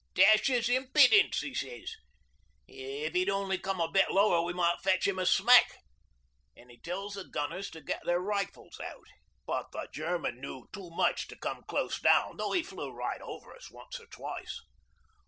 '"Dash 'is impidence," he sez. "If he'd only come a bit lower we might fetch him a smack"; an' he tells the gunners to get their rifles out. But the German knew too much to come close down though he flew right over us once or twice.